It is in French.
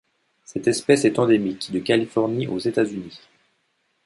Cette espèce est endémique de Californie aux États-Unis..